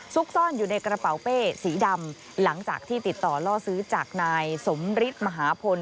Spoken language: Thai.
ซ่อนอยู่ในกระเป๋าเป้สีดำหลังจากที่ติดต่อล่อซื้อจากนายสมฤทธิ์มหาพล